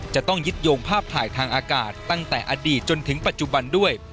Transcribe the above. จะต้องยึดโยงภาพถ่ายทางอากาศตั้งแต่อดีตจนถึงปัจจุบันด้วย